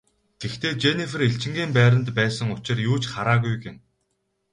Гэхдээ Женнифер элчингийн байранд байсан учир юу ч хараагүй гэнэ.